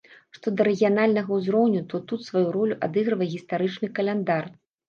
Што да рэгіянальнага ўзроўню, то тут сваю ролю адыгрывае гістарычны каляндар.